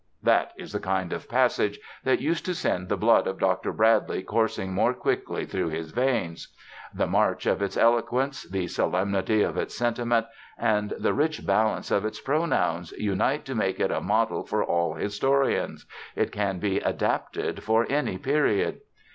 That is the kind of passage that used to send the blood of Dr. Bradley coursing more quickly through his veins. The march of its eloquence, the solemnity of its sentiment, and the rich balance of its pronouns unite to make it a model for all historians: it can be adapted for any period.